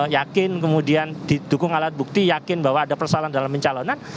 yakin kemudian didukung alat bukti yakin bahwa ada persoalan dalam pencalonan